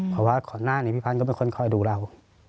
เพราะว่าก่อนหน้านี้พี่พันธ์ก็เป็นคนคอยดูเรา